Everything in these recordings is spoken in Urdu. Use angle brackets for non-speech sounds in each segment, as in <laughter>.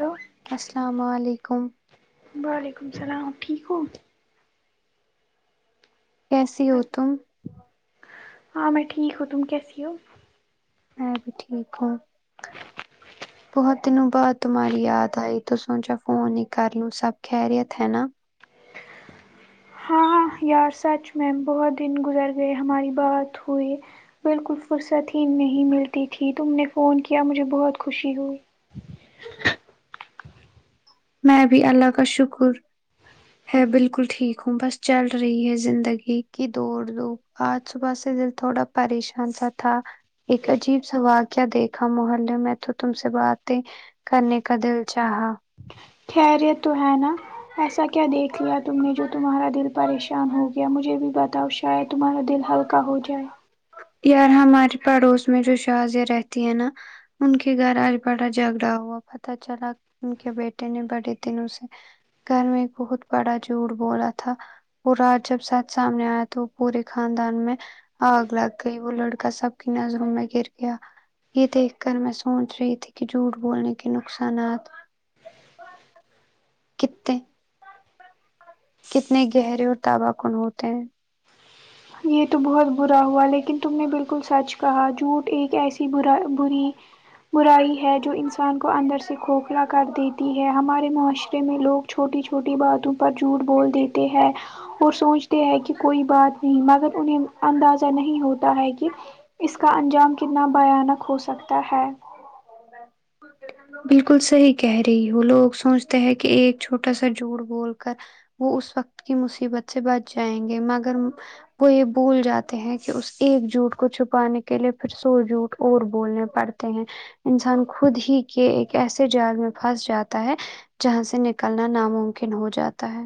ہلو السلام علیکم وعلیکم السلام ٹھیک ہو کیسی ہو تم ہاں میں ٹھیک ہوں تم کیسی ہو میں بھی ٹھیک ہوں بہت دنوں بعد تمہاری یاد آئی تو سوچا فون ہی کر لو سب خیریت ہے نا ہاں یار سچ میں بہت دن گزر گئے ہماری بات ہوئی بالکل فرصت ہی نہیں ملتی تھی تم نے فون کیا مجھے بہت خوشی ہوئی میں بھی اللہ کا شکر ہے بالکل ٹھیک ہوں بس چل رہی ہے زندگی کی دوڑ دو آج صبح سے دل تھوڑا پریشان سا تھا ایک عجیب سا واقعہ دیکھا محلہ میں تو تم سے بات ہے کرنے کا دل چاہا خیریت تو ہے نا ایسا کیا دیکھ لیا تم نے جو تمہارا دل پریشان ہو گیا مجھے بھی بتاؤ چاہیے تمہارا دل ہلکا ہو جائے یار ہمارے پڑوس میں جو شازیہ رہتی ہیں نا ان کے گھر آج بڑا جھگڑا ہوا پتا چلا ان کے بیٹے نے بڑے دنوں سے گھر میں بہت بڑا جھوٹ بولا تھا پورا جب سچ سامنے آیا تو وہ پورے خاندان میں آگ لگ کئی وہ لڑکا سب کی نظروں میں گر گیا یہ دیکھ کر میں سوچ رہی تھی کہ جھوٹ بولنے کے نقصانات کتنے کتنے گہرے اور تباہ کن ہوتے ہیں یہ تو بہت برا ہوا لیکن تم نے بالکل سچ کہا جھوٹ ایک ایسی برا بری برائی ہے جو انسان کو اندر سے کھوکھلا کر دیتی ہے ہمارے معاشرے میں لوگ چھوٹی چو چھوٹی باتوں پر جھوٹ بول دیتے ہیں اور سوچتے ہیں کہ کوئی بات نہیں مگر انہیں اندازہ نہیں ہوتا ہے کہ اس کا انجام کتنا بھیانک ہو سکتا ہے بالکل صحیح کہہ رہی ہو لوگ سوچتے ہیں کہ ایک چھوٹا سا جھوٹ بول کر وہ اس وقت کی مصیبت سے بچ جائیں گے مگر وہ یہ بھول جاتے ہیں کہ اس ایک جھوٹ کو چھپانے کے لیے پھر سو جھوٹ اور بولنے پڑتے ہیں انسان خود ہی یہ ایک ایسے جال میں پھنس جاتا ہے جہاں سے نکلنا ناممکن ہو جاتا ہے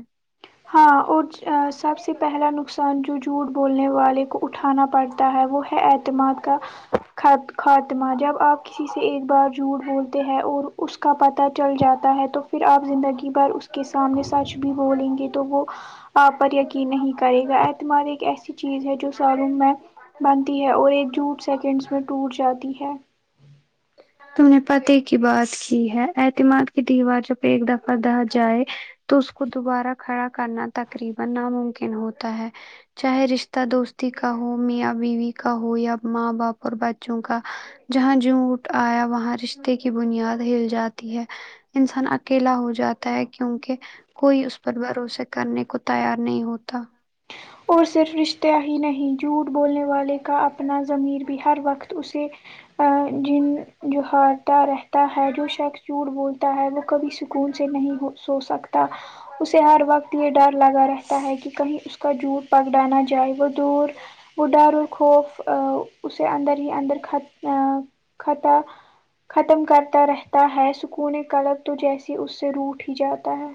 ہاں اور سب سے پہلا نقصان جو جھوٹ بولنے والے اٹھانا پڑتا ہے وہ ہے اعتماد کا خاتمہ جب آپ کسی سے ایک بار جھوٹ بولتے ہیں اور اس کا پتا چل جاتا ہے تو پھر آپ زندگی بھر اس کے سامنے سچ بھی بولیں گے تو وہ آپ پر یقین نہیں کرے گا اعتماد ایک ایسی چیز ہے جو سالوں میں بنتی ہے اور ایک جھوٹ سیکنڈس میں ٹوٹ جاتی ہے تم نے پتے کی بات کی ہے اعتماد کی دیوار جب ایک دفعہ دہ جائے تو اس کو دوبارہ کھڑا کرنا تقریبا ناممکن ہوتا ہے چاہے رشتہ دوستی کا ہو میاں بیوی کا ہو یا ماں باپ اور بچوں کا جہاں جھوٹ آیا وہاں رشتے کی بنیاد ہل جاتی ہے انسان اکیلا ہو جاتا ہے کیونکہ کوئی اس پر بھروسے کرنے کو تیار نہیں ہوتا اور صرف رشتہ ہی نہیں جھوٹ بولنے والے کا اپنا ضمیر بھی ہر وقت اسے آں جن جو ہارتا رہتا ہے جو شخص جھوٹ بولتا ہے وہ کبھی سکون سے نہیں ہو سو سکتا اسے ہر وقت یہ ڈر لگا رہتا ہے کہ کہیں کا جھوٹ پکڑانا جائے وہ دور وہ ڈر اور خوف اسے اندر ہی اندر خھت کطا ختم کرتا رہتا ہے سکون کڑب تو جیسی اس سے روٹ ہی جاتا ہے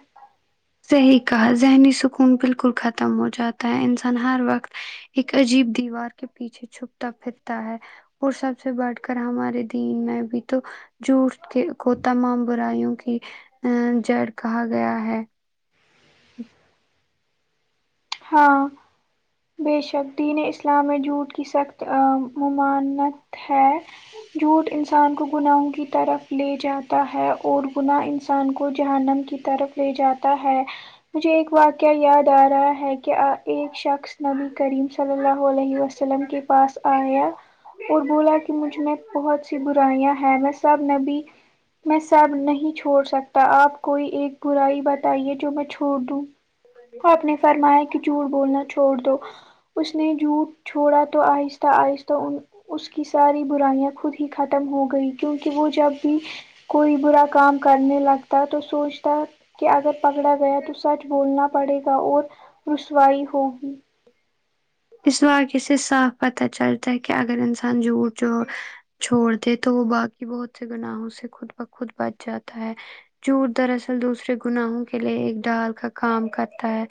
صحیح کہا ذہنی سکون بالکل ختم ہو جاتا ہے انسان ہر وقت ایک عجیب دیوار کے پیچھے چھپتا پھرتا ہے اور سب سے بٹھ کر ہمارے دین میں بھی تو جھوٹ کے کو تمام برائیوں کی ا جڑ کہا گیا ہے ہاں بے شکدین اسلام جھوٹ کی سخت ممانت ہے جھوٹ انسان کو گناہوں کی طرف لے جاتا ہے اور گناہ انسان کو جہنم کی طرف لے جاتا ہے مجھے ایک واقعہ یاد آ رہا ہے کہ کہ ایک شخص نبی کریم صلی اللہ علیہ وسلم کے پاس آیا اور بولا کہ مجھ میں بہت سی برائیاں ہیں میں سب نبی میں سب نہیں چھوڑ سکتا آپ کوئی ایک برائی بتائیے جو میں چھوڑ دوں آپ نے فرمایا کہ جھوٹ بولنا چھوڑ دو اس نے جھوٹ چھوڑا تو آہستہ آہستہ ان اس کی ساری برائیاں خود ہی ختم ہو گئی کیونکہ وہ جب بھی کوئی برا کام کرنے لگتا ہے تو سوچتا کہ اگر پکڑا گیا تو سچ بولنا پڑے گا اور رسوائی ہوگی اس واقعے سے صاف پتہ چلتا ہے کہ اگر انسان جھوٹ جووڑ چھوڑ دے تو وہ باقی بہت سے گناہوں سے خود بخود بچ جاتا ہے جوٹ دراصل دوسرے گناہوں کے لیے ایک ڈال کا کام کرتا ہے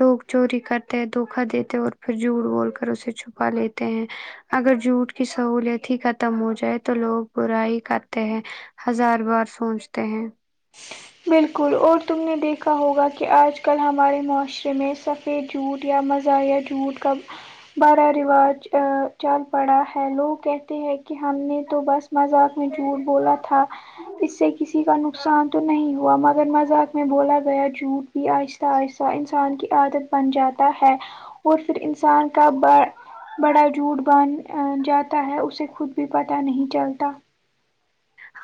لوگ چوری کرتے ہیں دھوکا دیتے اور پھر جھوڑ بول کر اسے چھپا لیتے ہیں اگر جھوٹ کی سہولت ہی ختم ہو جائے تو لوگ برائی کرتے ہیں ہزار بار سوچتے ہیں بالکل اور تم نے دیکھا ہوگا کہ آج کل ہمارے معاشرے میں سب پے جووٹ یا مزہ یا جوت کا بڑا رواج چل پڑا ہے لوگ کہتے ہیں کہ ہم نے تو بس مذاق میں جھوٹ بولا تھا اس سے کسی کا نقصان تو نہیں ہو ہوا مگر مذاق میں بولا گیا جھوٹ بھی آہستہ آہستہ انسان کی عادت بن جاتا ہے اور پھر انسان کا بڑ بڑا جھوٹ باندھ جاتا ہے اسے خود بھی پتہ نہیں چلتا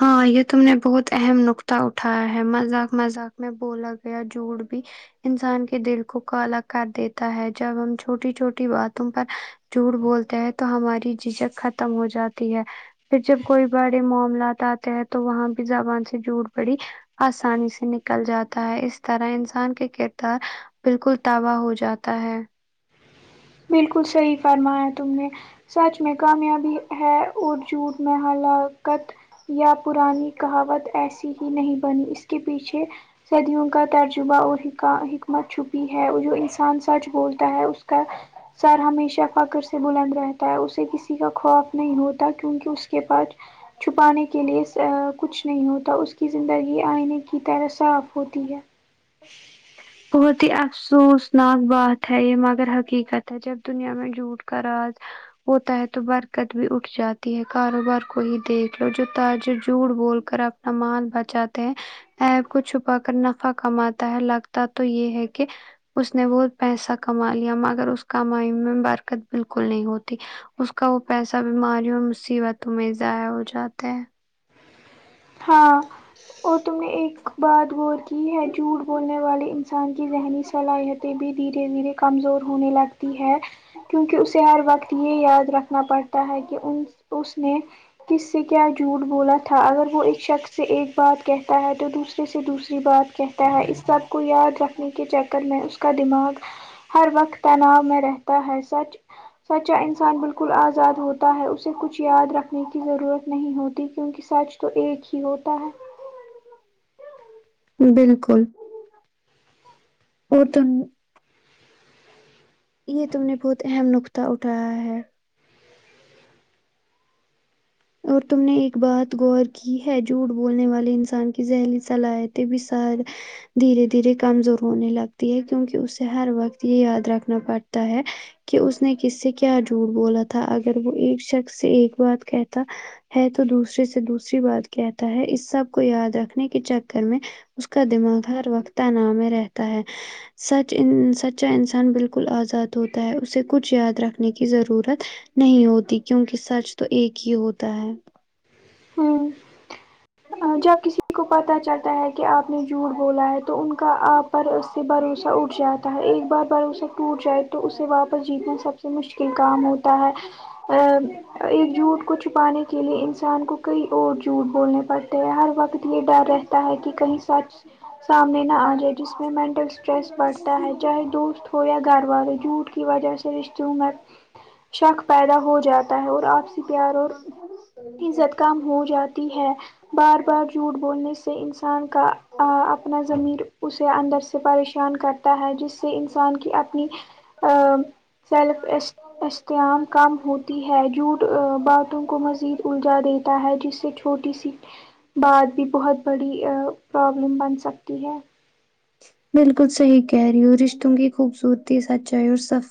ہاں یہ تم نے بہت اہم نقطہ اٹھایا ہے مذاق مذاق میں بولا گیا جوٹ بھی انسان کے دل کو کالا کر دیتا ہے جب ہم چھوٹی چھوٹی باتوں پر جھوٹ بولتے ہیں تو ہماری جھجھک ختم ہو جاتی ہے پھر جب کوئی بڑے معاملات بات آتے ہیں تو وہاں بھی زبان سے جوٹ پڑی آسانی سے نکل جاتا ہے اس طرح انسان کے کردار بالکل تابہ ہو جاتا ہے بالکل صحیح فرمایا تم نے سچ میں کامیابی ہے اور جھوٹ میں ہلاکت یا پرانی کہاوت ایسی ہی نہیں بنی اس کے پیچھے صدیوں کا تجربہ اور حکا حکمت چھپی ہے اور جو انسان سچ بولتا ہے اس کا سر ہمیشہ فخر سے بلند رہتا ہے اسے کسی کا خوف نہیں ہوتا کیونکہ اس کے پاس چھپانے کے لیے کچھ نہیں ہوتا اس کی زندگی آئینے کی طرح صاف ہوتی ہے <inaudible> بہت ہی افسوس ناک بات ہے یہ مگر حقیقت ہے جب دنیا میں جھوٹ کا راج ہوتا ہے تو برکت بھی اٹھ جاتی ہے کاروبار کو ہی دیکھ لو جو تاجر جھوٹ بول کر اب نا مال بچاتے ہیں عیب کو چھپا کر نفع کماتا ہے لگتا تو یہ ہے کہ اس نے بہت پیسہ کما لیا مگر اس کمائی میں برکت بالکل نہیں ہوتی اس کا وہ پیسہ بیماریوں اور مصیبتوں میں ضائع ہوجاتا ہے ہاں اور تم نے ایک بات غور کی ہے جھوٹ بولنے والے انسان کی ذہنی صلاحیت بھی دھیرے دھیرے کمزور ہونے لگ تی ہے کیونکہ اسے ہر وقت یہ یاد رکھنا پڑتا ہے کہ ان اس نے کس سے کیا جھوٹ بولا تھا اگر وہ ایک شخص سے ایک بات کہتا ہے تو دوسرے سے دوسری بات کہتا ہے اس سب کو یاد رکھنے کے چکر میں اس کا دماغ ہر وقت تناؤ میں رہتا ہے سچ سچا انسان بالکل آزاد ہوتا ہے اسے کچھ یاد رکھنے کی ضرورت نہیں ہوتی کیونکہ سچ تو ایک ہی ہوتا ہے بالکل اور تم یہ تم نے بہت اہم نقطہ اٹھایا ہے اور تم نے ایک بات غور کی ہے جھوٹ بولنے والے انسان کی ذہنی صلاحیتیں بھی ساری دھیرے دھیرے کمزور ہونے لگتی ہے کیونکہ اسے ہر وقت یہ یاد رکھنا پڑتا ہے کہ اس نے کس سے کیا جھوٹ بولا تھا اگر وہ ایک شخص سے ایک بات کہہ تا ہے تو دوسرے سے دوسری بات کہتا ہے اس سب کو یاد رکھنے کے چکر میں اس کا دماغ ہر وقت تناؤ میں رہتا ہے سچ ان سچا انسان بالکل آزاد ہوتا ہے اسے کچھ یاد رکھنے کی ضرورت نہیں ہوتی کیونکہ سچ تو ایک ہی ہوتا ہے ہوں جب کسی کو پتا چلتا ہے کہ آپ نے جھوٹ بولا ہے تو ان کا آپ پر سے بھروسہ اٹھ جاتا ہے ایک بار بھروسہ ٹوٹ جائے تو اسے واپس جیتنا سب سے مشکل کام ہوتا ہے ا ایک جھوٹ کو چھپانے کے لیے انسان کو کئی اور جھوٹ بولنے پڑ ہر وقت یہ ڈر رہتا ہے کہ کہیں سچ سامنے نہ آ جائے جس میں مینٹل اس ٹریس بڑھتا ہے چاہے دوست ہو یا گھر والے جھوٹ کی وجہ سے رشتوں میں شک پیدا ہو جاتا ہے اور آپ س ہو جاتی ہے <unintelligible> بار بار جھوٹ بولنے سے انسان کا اپنا ضمیر اسے اندر سے پریشان کر تا ہے جس سے انسان کی اپنی <unintelligible> سیلف اس استعام کم ہوتی ہے جھوٹ باتوں کو مزید الجھا دیتا ہے جس سے چھوٹی سی بات بھی بہت بڑی ا پرابلم بن سکتی ہے بالکل صحیح کہہ رہی ہو رشتوں کی خوبصورتی سچائی اور سف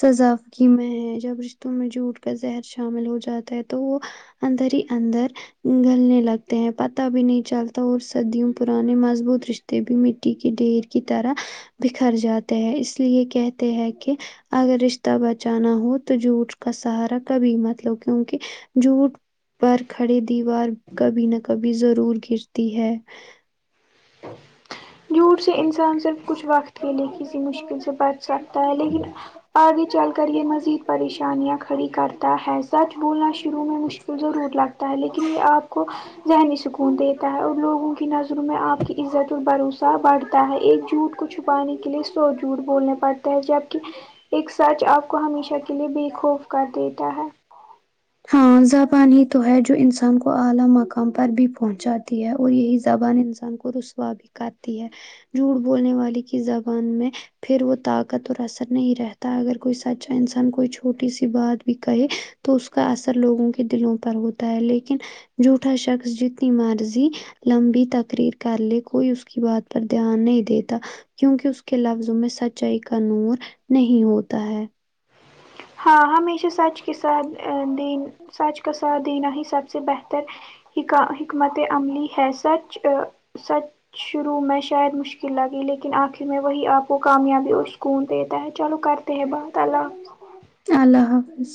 سزافگی میں ہے جب رشتوں میں جھوٹ کا زہر شامل ہو جاتا ہے تو وہ اندر ہی اندر گلنے لگتے ہیں پتہ بھی نہیں چلتا اور سدیوں پرانے مضبوط رشتے بھی مٹ کے ڈھیر کی طرح بکھر جاتے ہیں اس لیے کہتے ہیں کہ اگر رشتہ بچانا ہو تو جھوٹ کا سہارا کبھی مطلب کیونکی جوٹ پر کھڑی دیوار کبھی نہ کبھی ضرور گرتی ہے جھوٹ سے انسان صرف کچھ وقت کے لے کسی مشکل سے بچ سکتا ہے لیکن آگے چل کر یے مزید پریشانیاں کھڑی کرتا ہے سچ بولنا شروع میں مشل ضرور لگتا ہے لیکن یے آپ کو ذہنی سکون دیتا ہے اور لوگوں کی نظر روں میں آپ کی عزت ال بھروسہ بڑھ تا ہے ایک جھوٹ کو چھپانے کے لیے سو جھوٹ بولنے پڑتا ہے جبکی ایک سچ آپ کو ہمیشہ کے لیے بے خوف کر دیتا ہے ہاں زبان ہی تو ہے جو انسان کو اعلی مقام پر بھی پہنچاتی ہے اور یہی زبان انسان کو رسوا بھی کرتی ہے جھوٹ بولنے والے کی زبان میں پھر وہ طاقت اور اثر نہیں رہتا اگر کوئی سچا انسان کوئی چھوٹی سی بات بھی کہے تو اس کا اثر لوگوں کے دلوں پر ہوتا ہے لیکن جوٹا شخص جتنی مرضی لمبی تقریر کر لے کوئی اس کی بات پر دھیان نہیں دیتا کیونکی اس کے لفظوں میں سچائی کا نور نہیں ہوتا ہے ہاں ہمیشہ سچ کے ساتھ دین سچ کا ساتھ دینا ہی سب سے بہتر حکم حکمت عملی ہے سچ سچ شروع میں شاید مشکل لگئی لیکن آخر میں وہی آپ وہ کامیابی اور سکون دیتا ہے چلو کرتے ہیں بہت اللہ اللہ حافظ